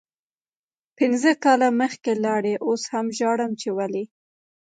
پنځه کاله مخکې لاړی اوس هم ژاړم چی ولې